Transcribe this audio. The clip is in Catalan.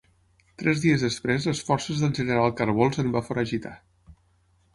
Tres dies després les forces del general Carbó els en va foragitar.